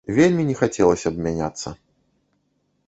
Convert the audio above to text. Вельмі не хацелася б мяняцца.